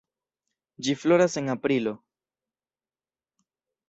Ĝi floras en aprilo.